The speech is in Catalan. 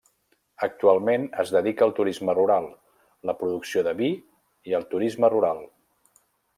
Actualment es dedica al turisme rural, la producció de vi i el turisme rural.